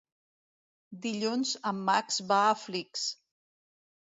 Dilluns en Max va a Flix.